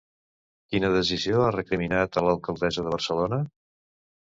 Quina decisió ha recriminat a l'alcaldessa de Barcelona?